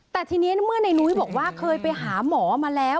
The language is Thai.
แต่ทีนี้เมื่อในนุ้ยบอกว่าเคยไปหาหมอมาแล้ว